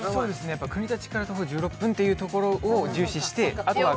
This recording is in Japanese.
国立から徒歩１６分というところを重視して。